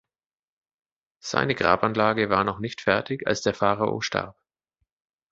Seine Grabanlage war noch nicht fertig, als der Pharao starb.